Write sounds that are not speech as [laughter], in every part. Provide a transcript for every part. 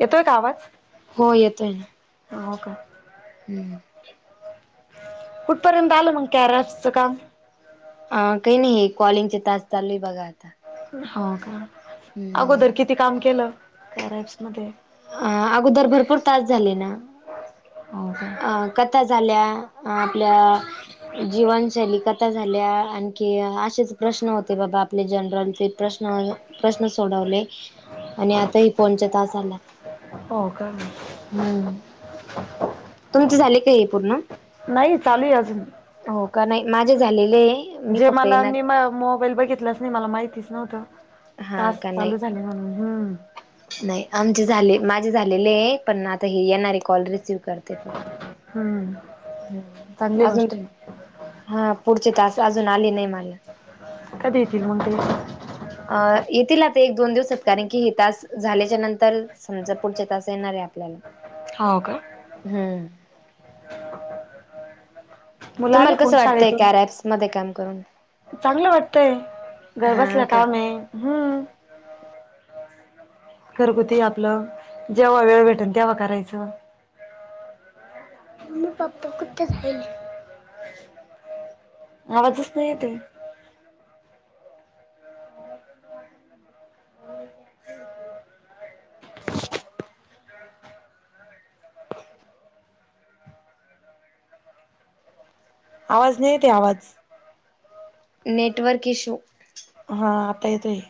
येतोय का आवाज? हो येतोय ना. हो का? हम्म. कुठपर्यंत आल मग [unintelligible] काम? अ काही नाहीये कॉलिंगचे टास्क चालू आहे बघा आता. हो का हम्म. अगोदर किती काम केलं [unintelligible] मध्ये? अ अगोदर भरपूर टास्क झाले ना. हो का. कथा झाल्या आपल्या जीवनशैली कथा था झाल्या आणखी असेच प्रश्न होते बाबा आपले जनरलचे प्रश्न प्रश्न सोडवले आणि आता हे फोन चे टास्क आल्यात. हो का मग. हम्म. तुमचे झाले का हे पूर्ण? नाही चालू आहे अजून. हो का नाही माझे झालेले आहे. मी जे फक्त मला येणार मी मोबाईल बघितलाच नाही मला माहितीच नव्हतं. हा टास्क का नाही चालू झाले म्हणून हम्म. नाही आमचे झाले, माझे झालेले आहे पण आता हे येणारे कॉल रिसीव्ह करते फक्त. हम्म. हम्म चांगली अजून गोष्ट आहे हां पुढचे टास्क अजून आलेले नाही मला. कधी येतील मग ते? अ येतील आता एक दोन दिवसात कारण की हे टास्क झाल्याच्या नंतर समजा पुढच्या टास्क येणार आहेत आपल्याला. हो का? हम्म. मुलं आले तुम्हाला कोण कसं वाटतंय शाळेतून कार्या ॲप मध्ये काम करून? चांगलं वाटतंय हा घरबसल्या का काम आहे हम्म. घरगुती आपलं जेव्हा वेळ भेटेन तेव्हा करायचं. मम्मी पप्पा कुठे झाईल? आवाजच नाहीे येत आहे. आवाज नाहीे येत आहे आवाज. Network issue. हां आता येत आहे.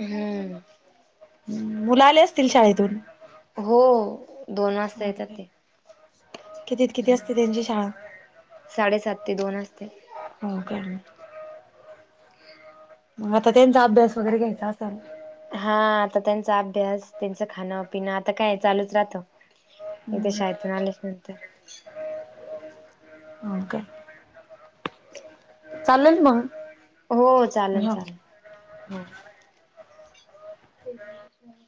हम्म. मुलं आले असतील शाळेतून. हो दोन वाजता येतात ते. कितीत ते किती असते त्यांची शाळा? साडेसात ते दोन असते. हो का! मग आता त्यांचा अभ्यास वगैरे घ्यायचा असा. हा, आता त्यांचा अभ्यास त्यांचं खाणपिण आता काय चालूच राहतं. एकदा शाळेतून आल्याच हम् नंतर हो का [inaudible] चाललंच मग. हो चालेल हा. चालेल हो, ते [inaudible]